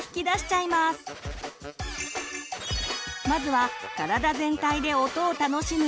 まずは体全体で音を楽しむ